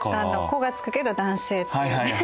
「子」が付くけど男性っていうね。